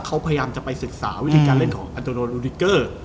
เขาพยายามจะไปศึกษาวิธีการเล่นของอันโตโนรูดิเกอร์